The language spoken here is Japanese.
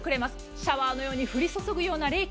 シャワーのように降り注ぐ冷気。